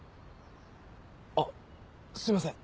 あっすいません